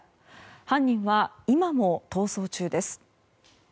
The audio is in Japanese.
犯人は今も逃走中です。